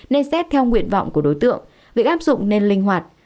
nên xét theo nguyện vọng của đối tượng việc áp dụng nên linh hoạt